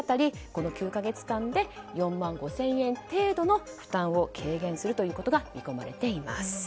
この９か月間で４万５０００円程度の負担を軽減することが見込まれています。